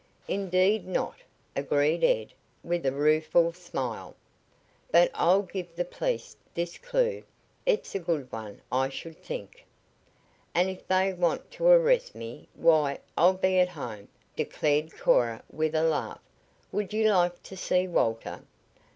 "Indeed not," agreed Ed with a rueful smile. "But I'll give the police this clue. It's a good one, I should think." "And if they want to arrest me why, I'll be at home," declared Cora with a laugh. "Would you like to see Walter?"